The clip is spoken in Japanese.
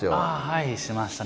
はい。